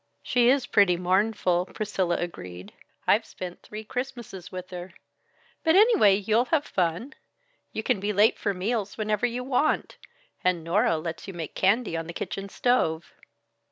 "She is pretty mournful," Priscilla agreed. "I've spent three Christmases with her. But anyway, you'll have fun. You can be late for meals whenever you want, and Nora lets you make candy on the kitchen stove."